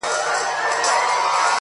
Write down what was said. عمر تېر سو کفن کښ د خدای په کار سو؛